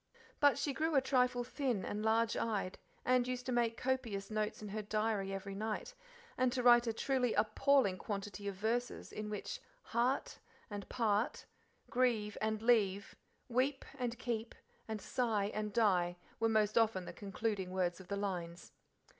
But she grew a trifle thin and large eyed, and used to make copious notes in her diary every night, and to write a truly appalling quantity of verses, in which "heart" and "part," "grieve" and "leave," "weep" and "keep," and "sigh" and "die," were most often the concluding words of the lines.